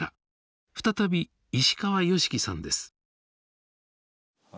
再び石川善樹さんです。